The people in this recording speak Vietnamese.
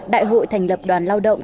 đại hội thành lập đoàn lao động